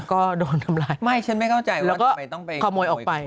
ก็โดนทำลายไม่ฉันไม่เข้าใจว่าก็ไปต้องขายเข้าหมอยเข้าหมอยออกไป